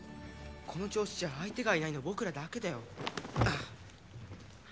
この調子じゃ相手がいないの僕らだけだよあっ